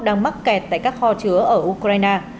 đang mắc kẹt tại các kho chứa ở ukraine